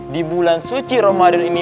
di bulan suci ramadan ini